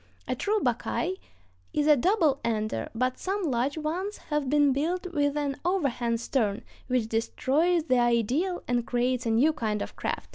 A true buckeye is a double ender, but some large ones have been built with an overhang stern, which destroys the ideal and creates a new kind of craft.